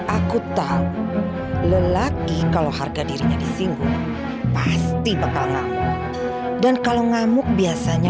aku tahu lelaki kalau harga dirinya disinggung pasti bakal ngamuk dan kalau ngamuk biasanya